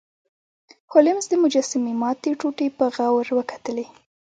هولمز د مجسمې ماتې ټوټې په غور وکتلې.